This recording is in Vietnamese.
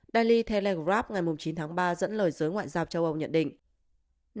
daily telegrab ngày chín tháng ba dẫn lời giới ngoại giao châu âu nhận định